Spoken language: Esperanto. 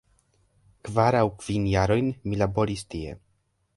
Kvar aŭ kvin jarojn, mi laboris tie.